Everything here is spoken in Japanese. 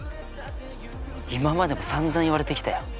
今までもさんざん言われてきたよ。